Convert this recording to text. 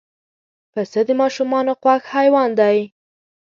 پسه د ماشومانو خوښ حیوان دی.